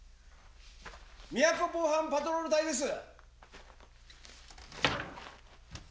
みやこ防犯パトロール隊です！